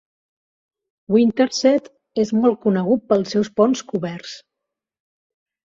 Winterset és molt conegut pels seus ponts coberts.